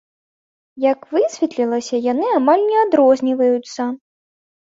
Як высветлілася, яны амаль не адрозніваюцца.